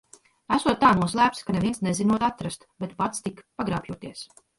Esot tā noslēpts, ka neviens nezinot atrast, bet pats tik pagrābjoties.